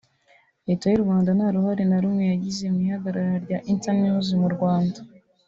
Leta y’u Rwanda nta ruhare na rumwe yagize mu ihagarara rya Internews mu Rwanda